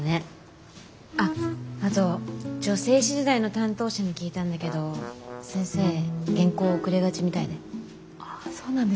あっあと女性誌時代の担当者に聞いたんだけど先生原稿遅れがちみたいで。